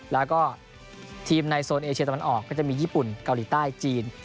แล้วก็ทีมในโซนเอเชียตะวันออกก็จะมีญี่ปุ่นเกาหลีใต้จีน